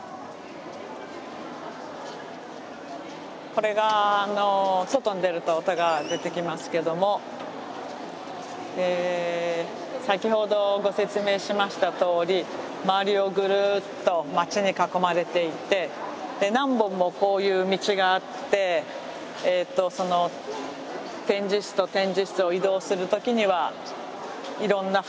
これが外に出ると音が出てきますけども先ほどご説明しましたとおり周りをぐるっと街に囲まれていて何本もこういう道があってその展示室と展示室を移動する時にはいろんな風景が見えます。